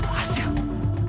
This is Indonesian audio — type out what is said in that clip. aku harus berhasil